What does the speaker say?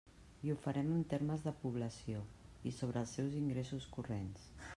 I ho farem en termes de població i sobre els seus ingressos corrents.